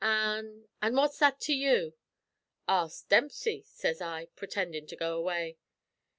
'An' an' what's that to you?' "'Ask Dempsey,' sez I, purtendin' to go away.